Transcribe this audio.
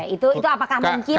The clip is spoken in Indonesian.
itu apakah mungkin